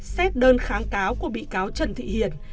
xét đơn kháng cáo của bị cáo trần thị hiền